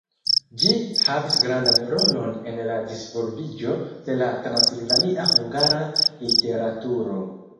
Ĝi havis gravan rolon en la disvolviĝo de la transilvania hungara literaturo.